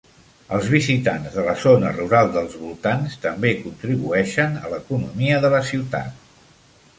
Els visitants de la zona rural dels voltants també contribueixen a l'economia de la ciutat.